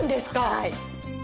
はい。